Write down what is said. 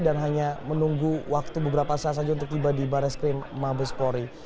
dan hanya menunggu waktu beberapa saat saja untuk tiba di barreskrim mabespori